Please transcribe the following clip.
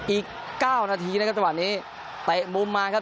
อีกเก้านาทีนะครับตอนนี้แตะมุมมาครับ